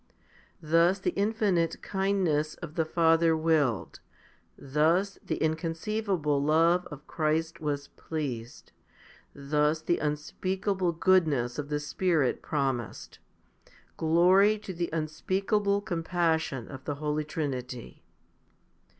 2 Thus the infinite kindness of the Father willed; thus the inconceivable love of Christ was pleased ; thus the unspeakable goodness of the Spirit promised. Glory to the unspeakable compassion of the Holy Trinity.